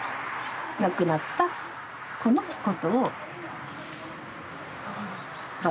亡くなった子のことを場所。